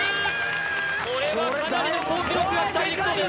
これはかなりの好記録が期待できそうです